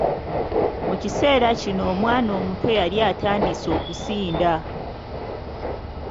Mu kiseera kino omwana omuto yali atandise okusinda.